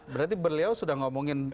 berarti beliau sudah ngomongin